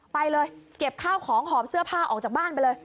ไปเลยเก็บข้าวของหอบเสื้อผ้าออกจากบ้านไปเลย